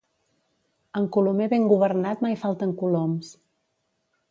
En colomer ben governat mai falten coloms.